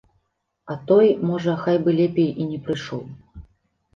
А той, можа, хай бы лепей і не прыйшоў.